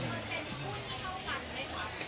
มีหุ้นเท่ากันไม่ความเฉพาะหรือเปล่า